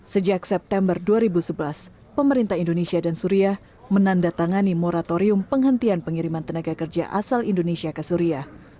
sejak september dua ribu sebelas pemerintah indonesia dan suria menandatangani moratorium penghentian pengiriman tenaga kerja asal indonesia ke suria